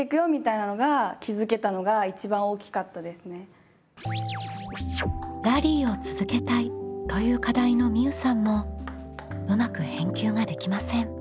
私「ラリーを続けたい」という課題のみうさんもうまく返球ができません。